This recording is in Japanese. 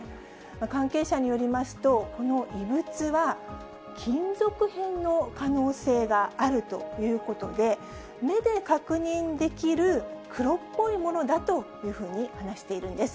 関係者によりますと、この異物は、金属片の可能性があるということで、目で確認できる黒っぽいものだというふうに話しているんです。